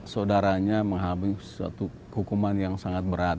saudaranya menghabis suatu hukuman yang sangat berat